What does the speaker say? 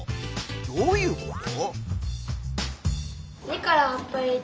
どういうこと？